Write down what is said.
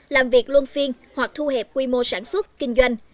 làm việc luân phiên hoặc thu hẹp quy mô sản xuất kinh doanh